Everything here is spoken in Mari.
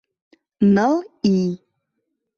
Ныл ий.